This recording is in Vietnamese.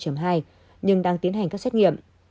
của biến thể vụ ba hai nhưng đang tiến hành các xét nghiệm